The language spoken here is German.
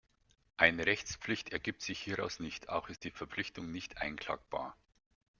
Eine Rechtspflicht ergibt sich hieraus nicht, auch ist die Verpflichtung nicht einklagbar.